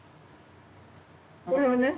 これはね